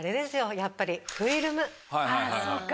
やっぱり。